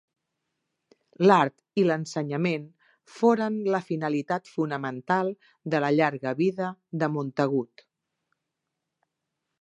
L'art i l'ensenyament foren la finalitat fonamental de la llarga vida de Montagut.